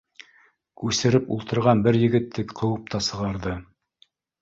Күсереп ултырған бер егетте ҡыуып та сығарҙы.